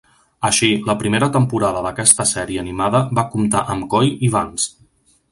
Així, la primera temporada d'aquesta sèrie animada va comptar amb Coy i Vance.